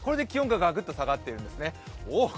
これで気温がガクッと下がっているんですね。